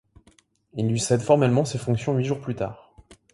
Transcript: Il lui cède formellement ses fonctions huit jours plus tard.